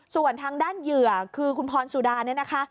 ส่วนทางด้านเหยื่อคือคุณพรสุดาเนี่ยนะคะ